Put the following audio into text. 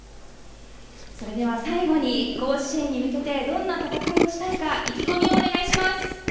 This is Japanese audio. それでは最後に甲子園に向けてどんな戦いをしたいか意気込みをお願いします。